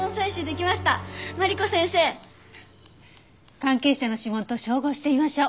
関係者の指紋と照合してみましょう。